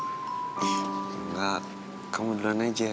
engga kamu duluan aja